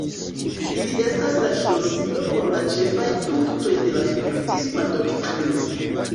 Ili estas la "ŝlosilo" por la ĉefaj punktoj de la spiritisma doktrino.